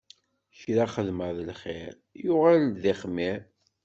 Kra xedmeɣ n lxiṛ, yuɣal-d d ixmiṛ.